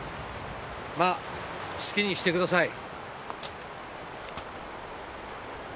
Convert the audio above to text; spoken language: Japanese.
まあ好きにしてください。